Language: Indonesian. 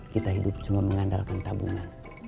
kita hidup cuma mengandalkan tabungan